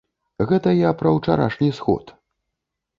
Гэта я пра ўчарашні сход.